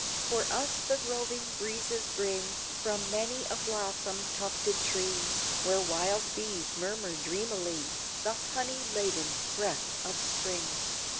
For us the roving breezes bring From many a blossom tufted tree Where wild bees murmur dreamily The honey laden breath of Spring.